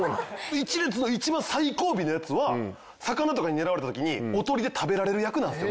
一列の一番最後尾のヤツは魚とかに狙われた時におとりで食べられる役なんですよ。